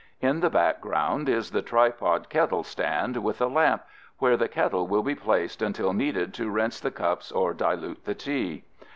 In the background is the tripod kettle stand with a lamp, where the kettle will be placed until needed to rinse the cups or dilute the tea.